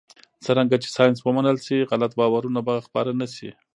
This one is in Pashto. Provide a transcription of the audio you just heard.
څرنګه چې ساینس ومنل شي، غلط باورونه به خپاره نه شي.